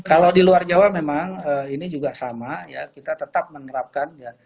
kalau di luar jawa memang ini juga sama ya kita tetap menerapkan ya